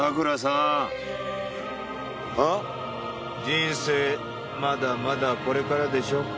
人生まだまだこれからでしょ。